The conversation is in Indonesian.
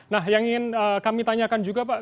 nah yang ingin kami tanyakan juga pak